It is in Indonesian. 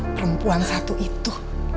perempuan satu itu